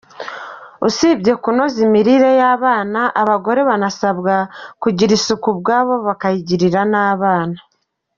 Usibye kunoza imirire y’abana abagore banasabwe kugira isuku ubwabo bakayigirira n’abana.